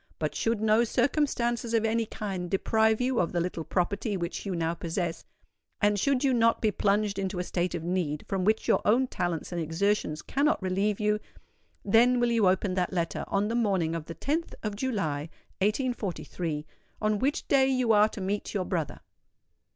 But should no circumstances of any kind deprive you of the little property which you now possess—and should you not be plunged into a state of need from which your own talents and exertions cannot relieve you,—then will you open that letter on the morning of the 10th of July, 1843, on which day you are to meet your brother.